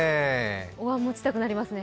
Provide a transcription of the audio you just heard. おわん持ちたくなりますね。